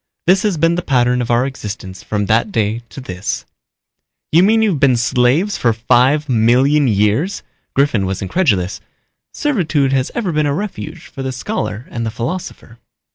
This has been the pattern of our existence from that day to this." "You mean you've been slaves for five million years?" Griffin was incredulous. "Servitude has ever been a refuge for the scholar and the philosopher."